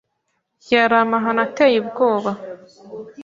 Byari amahano ateye ubwoba.